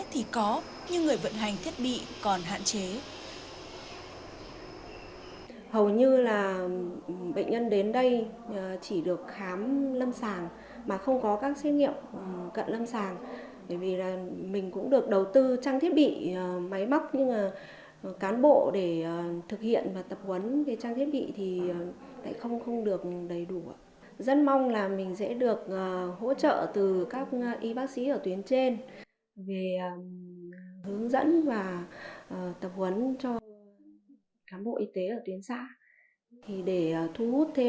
hướng dẫn và tập huấn cho cám bộ y tế ở tuyến xã để thu hút thêm lượng bệnh nhân khám từ cả bảo hiểm y tế và cả dịch vụ